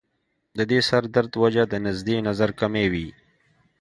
د دې سر درد وجه د نزدې نظر کمی وي